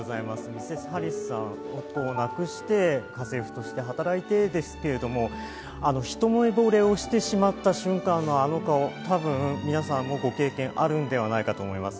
ミセス・ハリスさんは夫を亡くして家政婦として働いてるんですけれども、ひと目ぼれを知ってしまった瞬間のあの顔、多分皆さんもご経験あるのではないかと思います。